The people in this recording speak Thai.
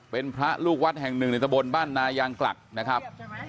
เป็นพระลูกวัดแห่งหนึ่งในตะบนบ้านนายางกลักนะครับ